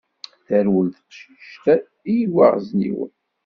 Terwel teqcict i yiwaɣezniwen.